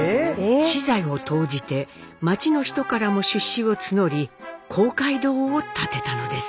私財を投じて町の人からも出資を募り公会堂を建てたのです。